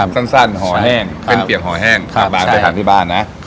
สั้นต้องเปียกหอแห้งปากตัอไปถามที่บ้านนะ